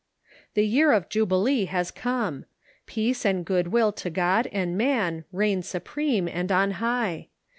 The year of jubilee has come ! Peace and good will to God and man reign supreme and on high